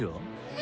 え？